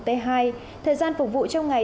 thời gian phục vụ trong ngày